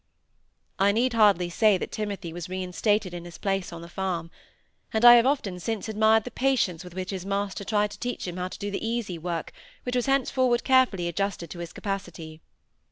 I need hardly say Timothy was reinstated in his place on the farm; and I have often since admired the patience with which his master tried to teach him how to do the easy work which was henceforward carefully adjusted to his capacity.